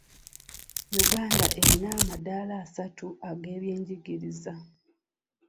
Uganda erina amadaala asatu ag'ebyenjigiriza.